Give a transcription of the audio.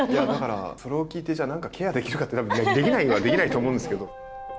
だからそれを聞いて、なんかケアできるかっていったら、できないはできないと思うんですけど。